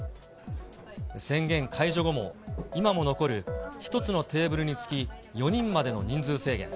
宣言解除後も、今も残る１つのテーブルにつき４人までの人数制限。